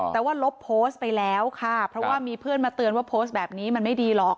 แต่ว่าลบโพสต์ไปแล้วค่ะเพราะว่ามีเพื่อนมาเตือนว่าโพสต์แบบนี้มันไม่ดีหรอก